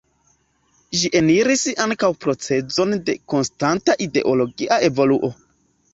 Ĝi eniris ankaŭ procezon de konstanta ideologia evoluo.